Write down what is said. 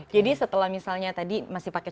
jadi setelah misalnya tadi masih pakai